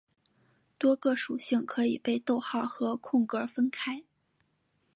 多个属性可以被逗号和空格分开。